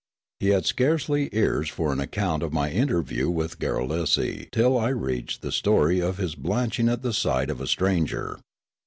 He had scarcely ears" for an account of my interview with Garrulesi till I reached the story of his blanching at the sight of a stranger.